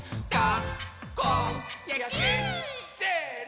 せの！